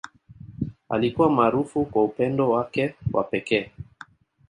Alikuwa maarufu kwa upendo wake wa pekee.